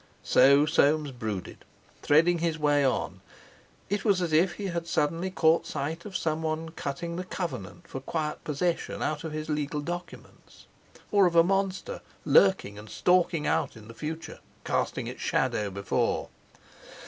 So Soames brooded, threading his way on. It was as if he had suddenly caught sight of someone cutting the covenant "for quiet possession" out of his legal documents; or of a monster lurking and stalking out in the future, casting its shadow before.